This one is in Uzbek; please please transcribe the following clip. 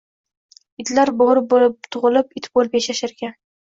Itlar bo‘ri bo‘lib tug‘ilib, it bo‘lib yashasharkan